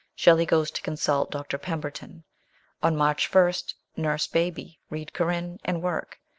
Shelley goes to consult Dr. Pemberton. On March 1st nurse baby, read Corinne, and work.